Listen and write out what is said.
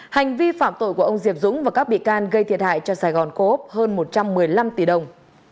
hành vi phạm tội của ông diệp dũng và các bị can gây thiệt hại cho sài gòn cố úc hơn một trăm một mươi năm tỷ đồng